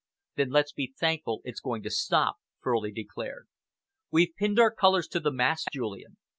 "Then let's be thankful it's going to stop," Furley declared. "We've pinned our colours to the mast, Julian.